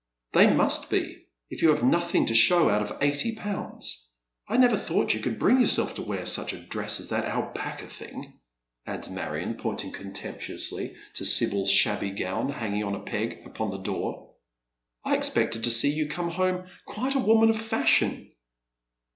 " Tliey must be, if you have nothing to show out of eighty pounds. I never thought you could bring yourself to wear such a dress as that alpaca thing," adds Marion, pointing contemptu ously to Sibyl's shabby gown hanging on a peg upon the door. *' I expected to see you come home quite a woman of fashion."